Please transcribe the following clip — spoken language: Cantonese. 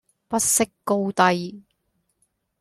不識高低